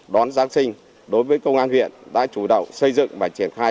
đón giáng sinh đối với công an huyện đã chủ động xây dựng và triển khai